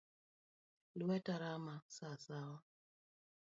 Lueta rama Sawa sawa.